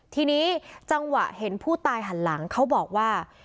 ทีนี้จังหวะเห็นผู้ตายหันหลังเขาบอกว่า